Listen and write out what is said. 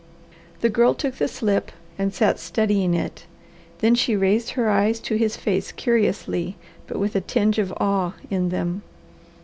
The Girl took the slip and sat studying it; then she raised her eyes to his face curiously, but with a tinge of awe in them.